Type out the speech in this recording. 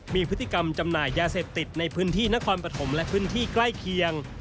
มีพฤติกรรมจำหน่ายยาเสพติดในพื้นที่นครปฐมและพื้นที่ใกล้เคียง